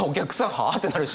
「はあ？」ってなるし。